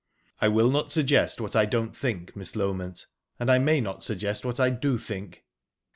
"I will not suggest what I don't think, Miss Loment, and I may not suggest what I do think."